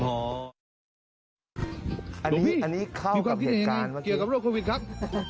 โหพี่มีความคิดเห็นอย่างไรเกี่ยวกับโรคโควิดครับ